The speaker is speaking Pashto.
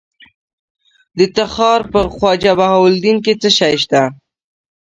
د تخار په خواجه بهاوالدین کې څه شی شته؟